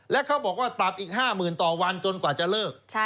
และเขาบอกว่าปรับอีก๕๐๐๐ต่อวันจนกว่าจะเลิก